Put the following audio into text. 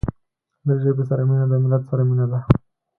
له ژبې سره مینه د ملت سره مینه ده.